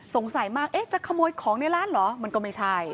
สงสัยมากเอ๊ะจะขโมยของในร้านเหรอมันก็ไม่ใช่